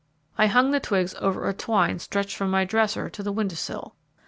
I hung the twigs over a twine stretched from my dresser to the window sill.